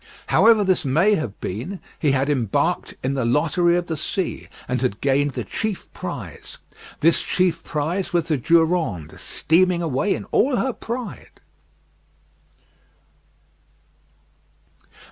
However this may have been, he had embarked in the lottery of the sea, and had gained the chief prize. This chief prize was the Durande steaming away in all her pride.